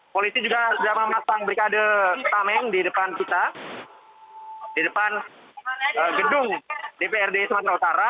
polisi juga sudah memasang brikade tameng di depan kita di depan gedung dprd sumatera utara